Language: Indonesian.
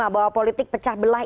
bahwa politik pecah belah